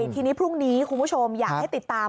ทีนี้พรุ่งนี้คุณผู้ชมอยากให้ติดตาม